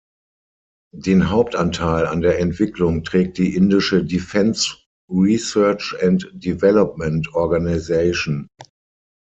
Den Hauptanteil an der Entwicklung trägt die indische Defence Research and Development Organisation.